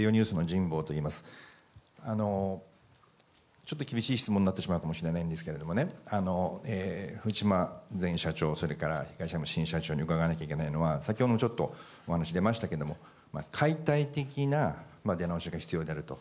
ちょっと厳しい質問になってしまうかもしれませんが藤島前社長それから東山新社長に伺わなきゃいけないのは先ほどもちょっと話が出ましたけども解体的な出直しが必要であると。